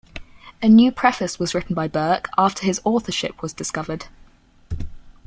A new preface was written by Burke after his authorship was discovered.